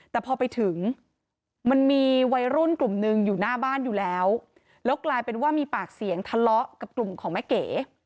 แต่พอไปถึงมันมีวัยรุ่นกลุ่มหนึ่งอยู่หน้าบ้านอยู่แล้วแล้วกลายเป็นว่ามีปากเสียงทะเลาะกับกลุ่มของแม่เก๋